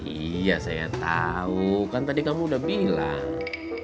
iya saya tahu kan tadi kamu udah bilang